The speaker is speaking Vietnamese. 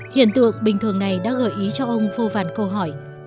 hiện tượng bình thường này đã gợi ý cho ông vô vàn câu hỏi